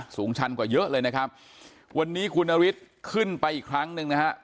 ชันกว่าเยอะเลยนะครับวันนี้คุณนฤทธิ์ขึ้นไปอีกครั้งหนึ่งนะฮะ